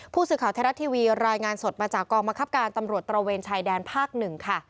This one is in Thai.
ผู้สื่อข่าวไทยรัฐทีวีรายงานสดมาจากกองบังคับการตำรวจตระเวนชายแดนภาค๑ค่ะ